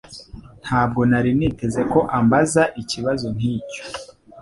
Ntabwo nari niteze ko ambaza ikibazo nkicyo.